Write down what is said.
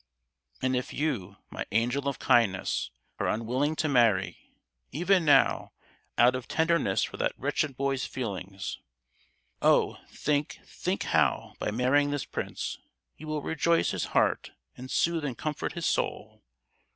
"And if you, my angel of kindness, are unwilling to marry, even now, out of tenderness for that wretched boy's feelings, oh, think, think how, by marrying this prince, you will rejoice his heart and soothe and comfort his soul!